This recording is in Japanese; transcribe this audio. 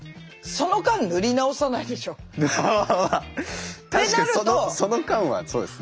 その間はそうですね。